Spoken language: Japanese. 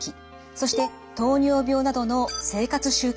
そして糖尿病などの生活習慣病です。